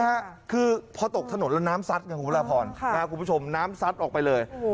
ใช่ค่ะคือพอตกถนนแล้วน้ำซัดคุณผู้ชมน้ำซัดออกไปเลย